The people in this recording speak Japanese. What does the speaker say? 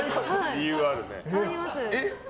理由があるね。